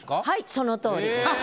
はいそのとおりです。